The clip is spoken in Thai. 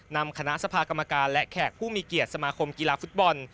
นำคณะสภากรรมการและแขกผู้มีเกียรติสมาคมกีฬาฟุตบอล